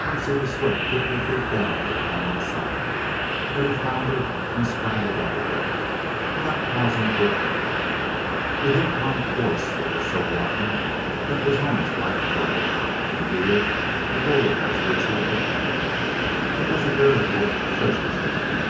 Once, he was swept fifty feet down the canon side; but he floundered and scrambled up again without pausing for breath. He hit upon quartz that was so rotten that it was almost like clay, and here the gold was richer than ever. It was a veritable treasure chamber.